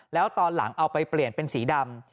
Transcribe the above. แล้วตอนหลังเอาไปเปลี่ยนเป็นสีดำ